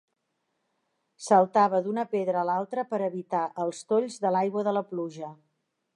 Saltava d'una pedra a l'altra per evitar els tolls de l'aigua de la pluja.